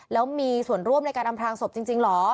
แล้วมีส่วนร่วมในการอำพลางศพจริงเหรอ